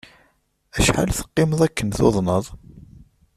Acḥal teqqimeḍ akken tuḍneḍ?